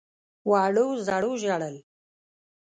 وړو _زړو ژړل.